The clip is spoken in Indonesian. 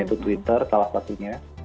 itu twitter salah satunya